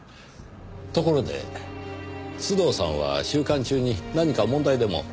ところで須藤さんは収監中に何か問題でも？